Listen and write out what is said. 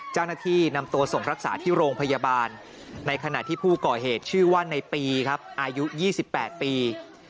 เจ้าหน้าที่นำตัวส่งรักษาที่โรงพยาบาลในขณะที่ผู้ก่อเหตุชื่อว่าในปีครับอายุ๒๘ปี